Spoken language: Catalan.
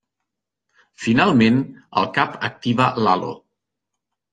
Finalment, el Cap activa l'Halo.